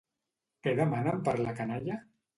Què demanen per la canalla?